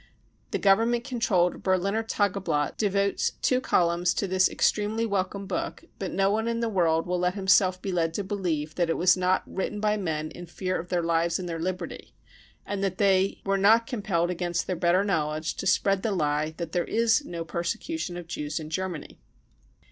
The Government controlled Berliner Tage blatt devotes two columns to this " extremely welcome book 55 ; but no one in the world will let himself be led to believe that it was not written by men in fear of their lives and their liberty, and that they were not compelled against their better knowledge to spread the lie that there is no persecution of Jews in Germany.